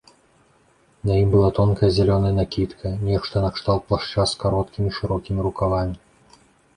На ім была тонкая зялёная накідка, нешта накшталт плашча з кароткімі шырокімі рукавамі.